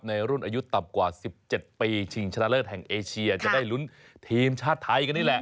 ในรุ่นอายุต่อกว่า๑๗ปีชีวิตชนะเลิศแห่งเอเชียจะได้รุ้นทีมชาติไทย